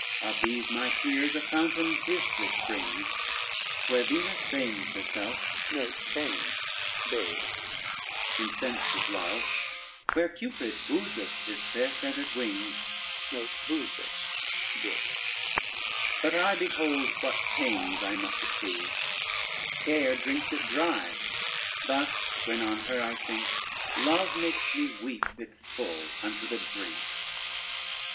Of these my tears a fountain fiercely springs, Where Venus bains herself incensed with love, Where Cupid bowseth his fair feathered wings; But I behold what pains I must approve. Care drinks it dry; but when on her I think, Love makes me weep it full unto the brink.